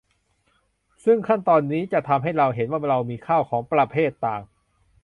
ซึ่งขั้นตอนนี้จะทำให้เราเห็นว่าเรามีข้าวของประเภทต่าง